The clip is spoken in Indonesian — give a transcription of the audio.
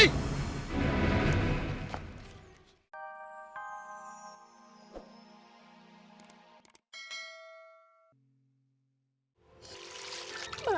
sampai jumpa lagi